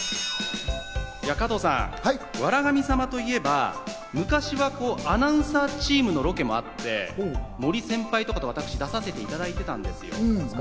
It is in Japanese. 加藤さん、『笑神様』といえば、昔はアナウンサーチームのロケもあって、森先輩とかと私、出させていただいておりました。